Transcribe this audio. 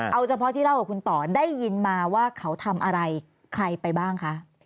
เอาเฉพาะที่เล่ากับคุณต่อได้ยินมาว่าเขาทำอะไรใครไปบ้างคะ